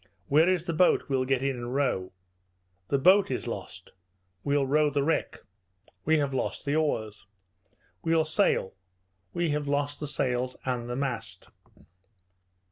"Where is the boat? We'll get in and row." "The boat is lost." "We'll row the wreck." "We have lost the oars." "We'll sail." "We have lost the sails and the mast."